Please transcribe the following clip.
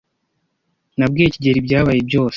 Nabwiye kigeli ibyabaye byose.